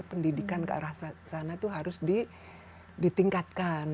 pendidikan ke arah sana itu harus ditingkatkan